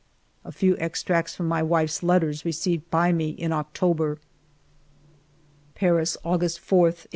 A few extracts from my wife's letters received by me in October: —Paris, August 4, 1895.